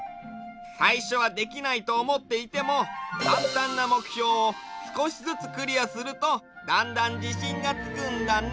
さいしょはできないとおもっていてもかんたんなもくひょうをすこしずつクリアするとだんだんじしんがつくんだね！